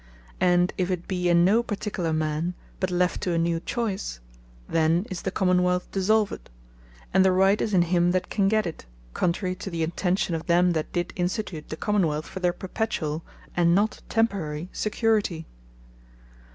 And if it be in no particular man, but left to a new choyce; then is the Common wealth dissolved; and the Right is in him that can get it; contrary to the intention of them that did institute the Common wealth, for their perpetuall, and not temporary security.